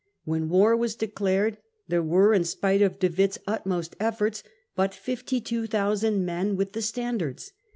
When war was declared, there were, in spite of De Witt's utmost efforts, but 52,000 men with the standards.